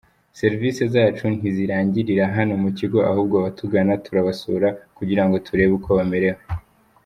Serivisi zacu ntizirangirira hano mu kigo ahubwo abatugana turabasura kugira ngo turebe uko bamerewe.